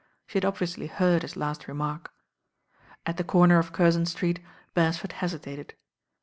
She had obviously heard his last remark. At the comer of Curzon Street Beresford hesi tated.